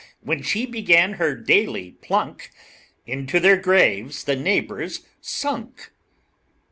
When she began her daily plunk, Into their graves the neighbors sunk.